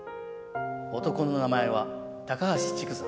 男の名前は高橋竹山。